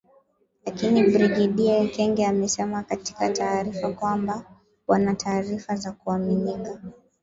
Lakini Brigedia Ekenge amesema katika taarifa kwamba wana taarifa za kuaminika sana